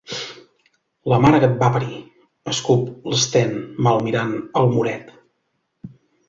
La mare que et va parir —escup l'Sten malmirant el moret.